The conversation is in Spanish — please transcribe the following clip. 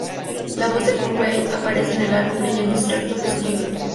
La voz de Kurzweil aparece en el álbum, leyendo extractos de su libro.